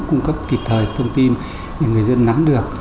cung cấp kịp thời thông tin để người dân nắm được